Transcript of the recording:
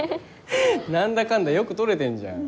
何だかんだよく撮れてんじゃん。